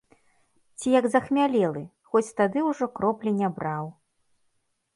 Ці як захмялелы, хоць тады ўжо кроплі не браў.